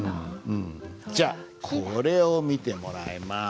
じゃあこれを見てもらいます。